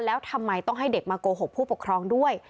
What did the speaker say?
แล้วทำไมต้องให้เด็กมาโกหกผู้ปกครองด้วย